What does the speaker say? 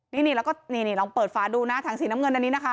นี่ลองเปิดฟ้าดูนะทางสีน้ำเงินอันนี้นะคะ